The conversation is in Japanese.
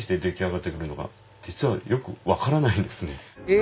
え